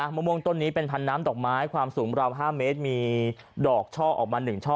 มะม่วงต้นนี้เป็นพันน้ำดอกไม้ความสูงราว๕เมตรมีดอกช่อออกมา๑ช่อ